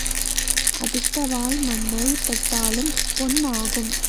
அதிர்ஷ்டவாள் மண்ணைத் தொட்டாலும் பொன் ஆகும்.